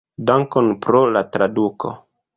Dankon pro la traduko.